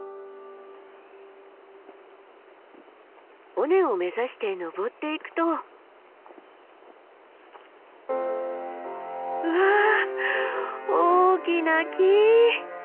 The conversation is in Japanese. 尾根を目指して登っていくと。わ大きな木。